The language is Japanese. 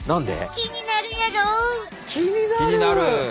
気になる！